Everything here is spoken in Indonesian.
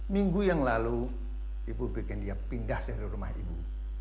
minggu yang lalu ibu bikin dia pindah dari rumah ini